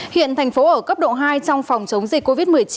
hiện thành phố ở cấp độ hai trong phòng chống dịch covid một mươi chín